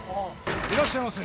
いらっしゃいませ。